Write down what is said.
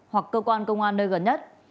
hoặc cơ quan công an nơi gần nhất